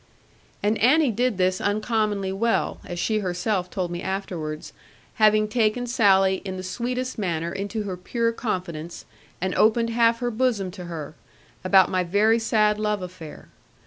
And Annie did this uncommonly well, as she herself told me afterwards, having taken Sally in the sweetest manner into her pure confidence, and opened half her bosom to her, about my very sad love affair.